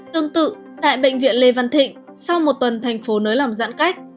tương tự tại bệnh viện lê văn thịnh sau một tuần thành phố nới lỏng giãn cách